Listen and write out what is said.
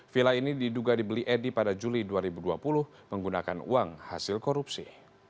villa ini diduga dibeli edi pada juli dua ribu dua puluh menggunakan uang hasil korupsi